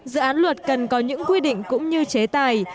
dự án luật cần có những quy định cũng như chế tài